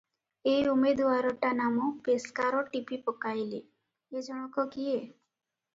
ଏ ଉମେଦୁଆରଟା ନାମ ପେସ୍କାର ଟିପି ପକାଇଲେ, ଏ ଜଣକ କିଏ?